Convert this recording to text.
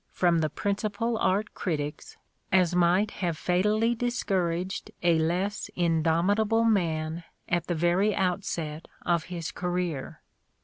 from the principal art critics as might have fatally discouraged a less indomitable man at the very outset of his career.